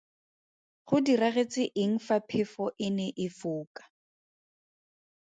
Go diragetse eng fa phefo e ne e foka?